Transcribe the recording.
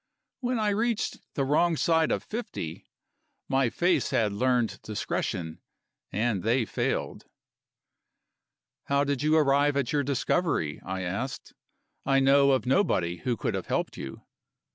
When I had reached the wrong side of fifty, my face had learned discretion, and they failed. "How did you arrive at your discovery?" I asked. "I know of nobody who could have helped you."